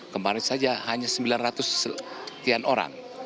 kemarin saja hanya sembilan ratus sekian orang